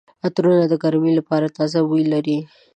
عطرونه د ګرمۍ لپاره تازه بوی لري.